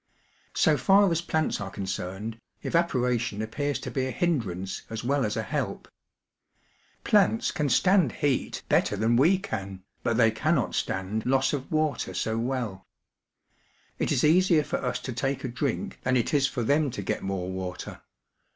So far as plants are concerned, evaporation appears to be a hindrance as well as a help. Plants can stand heat better then we can, but they cannot stand loss of water so well. It is easier for us to take a drink than it is for them to get more water.